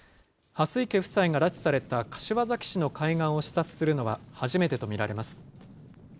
蓮池夫妻が拉致された柏崎市の海岸を視察するのは初めてと見られます。